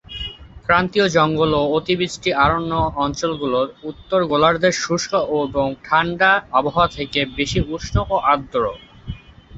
ক্রান্তীয় জঙ্গল ও অতিবৃষ্টি অরণ্য অঞ্চলগুলো উত্তর গোলার্ধের শুষ্ক ও ঠাণ্ডা আবহাওয়া থেকে বেশি উষ্ণ ও আর্দ্র।